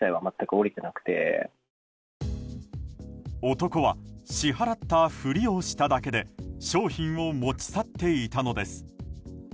男は支払ったふりをしただけで商品を持ち去っていたのです。